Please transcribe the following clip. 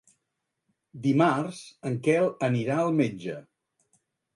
Dimarts en Quel anirà al metge.